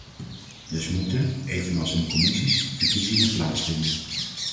Dus moeten, evenals in de commissies, verkiezingen plaatsvinden.